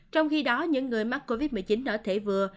trong khi đó những người mắc covid một mươi chín ở thể vừa